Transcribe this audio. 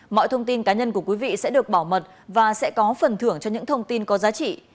mọi thông tin cá nhân của quý vị sẽ được bảo mật và sẽ có phần thưởng cho những thông tin có giá trị